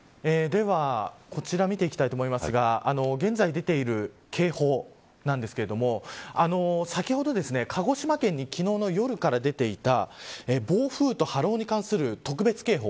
では、こちら見ていきたいと思いますが現在出ている警報なんですけれども。先ほど、鹿児島県に昨日の夜から出ていた暴風と波浪に関する特別警報